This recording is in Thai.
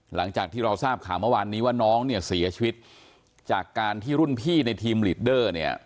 หลังจากที่เราทราบข่าวเมื่อวานนี้ว่าน้องเนี่ยเสียชีวิตจากการที่รุ่นพี่ในทีมลีดเดอร์เนี่ย